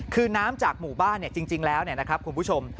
คือน้ำจากหมู่บ้านจริงแล้วนะครับคุณผู้ชม